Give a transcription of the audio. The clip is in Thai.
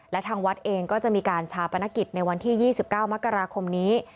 และทางวัดเองก็จะมีการชาปนกิจในวันที่๒๙มกราคมนี้